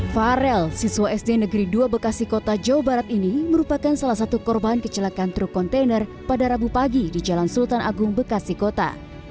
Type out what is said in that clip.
farel siswa sd negeri dua bekasi kota jawa barat ini merupakan salah satu korban kecelakaan truk kontainer pada rabu pagi di jalan sultan agung bekasi kota